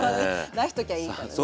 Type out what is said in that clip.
出しときゃいいからね。